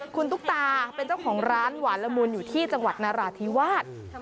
คุณตุ๊กตาเป็นเจ้าของร้านหวานละมุนอยู่ที่จังหวัดนราธิวาส